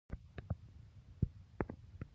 آزر باره بنکوی د جون د راتګ شور بیانوي